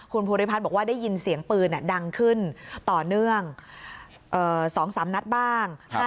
คุณภูริพัฒน์บอกว่าได้ยินเสียงปืนดังขึ้นต่อเนื่อง๒๓นัดบ้าง